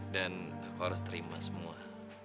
dan aku harus terima semua